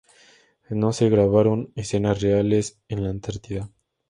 No se grabaron escenas reales en la Antártida.